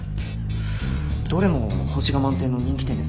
どれも星が満点の人気店ですね。